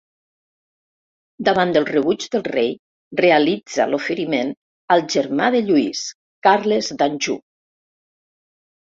Davant del rebuig del rei, realitza l'oferiment al germà de Lluís, Carles d'Anjou.